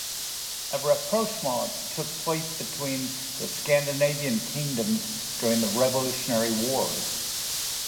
A rapprochement took place between the Scandinavian kingdoms during the revolutionary wars.